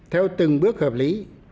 theo từng bước hợp lý